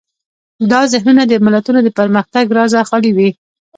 دا ذهنونه د ملتونو پرمختګ رازه خالي وي.